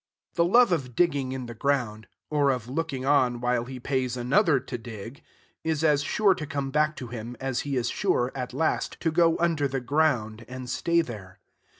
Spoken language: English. The love of digging in the ground (or of looking on while he pays another to dig) is as sure to come back to him as he is sure, at last, to go under the ground, and stay there.